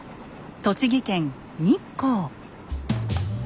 栃木県日光。